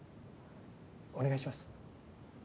お願いします。